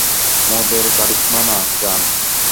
মদের কারিশমা না, জান।